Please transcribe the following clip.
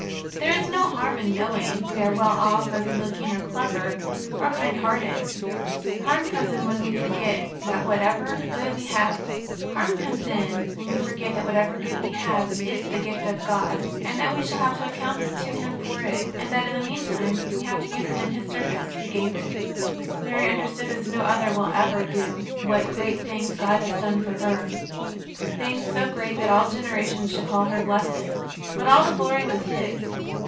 There is no harm in knowing we are well off, or good looking, or clever, or kind hearted. Harm comes in when we forget that whatever 60 JESUS OF NAZAEETH. good we have is the gift of God and that we shall have to account to Him for it, and that in the meantime we have to use it in His service who gave it. Mary understood as no other will ever do what "great things " God had done for her, things so great that all generations should call her blessed. But all the glory was His.